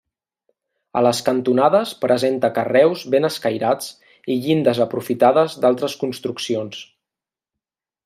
A les cantonades presenta carreus ben escairats i llindes aprofitades d'altres construccions.